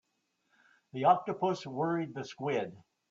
The octopus worried the squid.